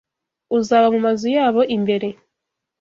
uzaba mu mazu yabo imbere